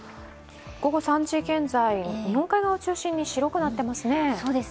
午後３時現在日本海側を中心に白くなっていますね。